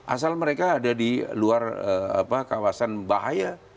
asal mereka ada di luar kawasan bahaya